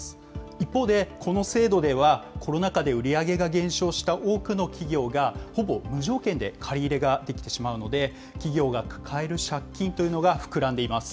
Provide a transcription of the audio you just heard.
一方で、この制度ではコロナ禍で売り上げが減少した多くの企業が、ほぼ無条件で借り入れができてしまうので、企業が抱える借金というのが膨らんでいます。